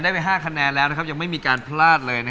รับไปอีกหนึ่งดวงเป็น๑๖ดวงดาวน์แล้ว